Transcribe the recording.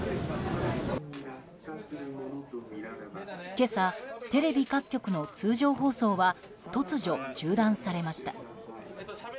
今朝、テレビ各局の通常放送は突如中断されました。